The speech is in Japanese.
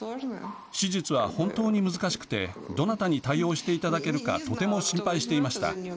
手術は本当に難しくてどなたに対応していただけるかとても心配していました。